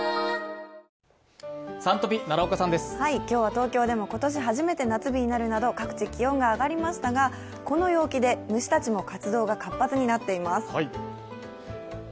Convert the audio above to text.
今日は東京でも今年初めて夏日になるなど各地、気温が上がりましたが、この陽気で虫たちも活動が活発になっています。